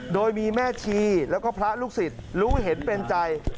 โดยมีแม่ชีแล้วก็พระลูกศิษย์รู้เห็นเป็นใจ